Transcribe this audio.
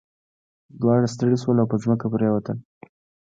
دواړه ستړي شول او په ځمکه پریوتل.